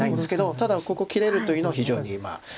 ただここ切れるというのは非常に。